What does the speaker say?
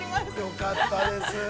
◆よかったです。